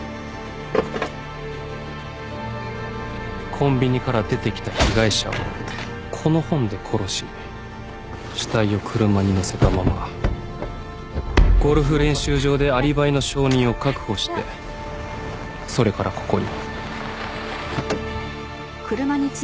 コンビニから出てきた被害者をこの本で殺し死体を車にのせたままゴルフ練習場でアリバイの証人を確保してそれからここに。